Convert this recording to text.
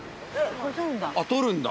撮るんだ。